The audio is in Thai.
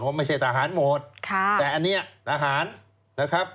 ว่าไม่ใช่ตาหารหมดแต่อันนี้ตาหารนะครับ